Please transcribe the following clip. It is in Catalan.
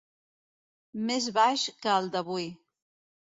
Més baix que el d'avui.